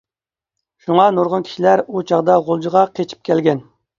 شۇڭا نۇرغۇن كىشىلەر ئۇ چاغدا غۇلجىغا قېچىپ كەلگەن.